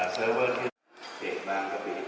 เซอร์เวอร์คือเขตบางพระบิ